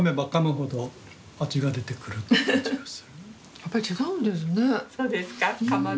やっぱり違うんですね。